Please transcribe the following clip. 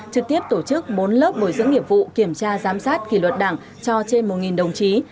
trực tiếp tổ chức bốn lớp bồi dưỡng nghiệp vụ kiểm tra giám sát kỷ luật đảng cho trên một đồng chí